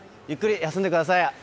ゆっくり休んでください。